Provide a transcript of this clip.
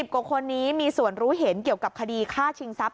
กว่าคนนี้มีส่วนรู้เห็นเกี่ยวกับคดีฆ่าชิงทรัพย